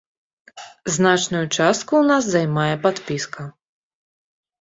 Значную частку ў нас займае падпіска.